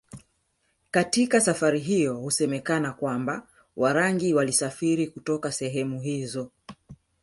Katika safari hiyo husemekana kwamba Warangi walisafiri kutoka sehemu hizo